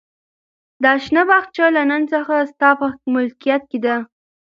دا شنه باغچه له نن څخه ستا په ملکیت کې ده.